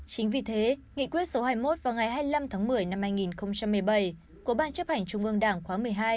chính vì thế nghị quyết số hai mươi một vào ngày hai mươi năm tháng một mươi năm hai nghìn một mươi bảy của ban chấp hành trung ương đảng khóa một mươi hai